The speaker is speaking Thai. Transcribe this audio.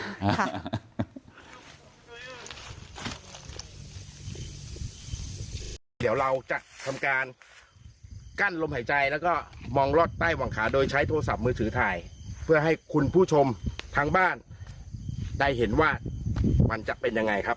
เดี๋ยวเราจะทำการกั้นลมหายใจแล้วก็มองรอดใต้หวังขาโดยใช้โทรศัพท์มือถือถ่ายเพื่อให้คุณผู้ชมทางบ้านได้เห็นว่ามันจะเป็นยังไงครับ